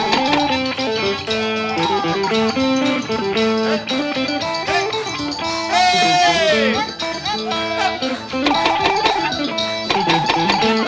มาด้วย